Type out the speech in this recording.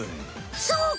そうか！